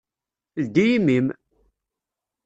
Ldi imi-m!